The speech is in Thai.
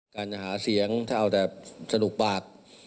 การจะหาเสียงถ้าเอาแต่สนุกปาก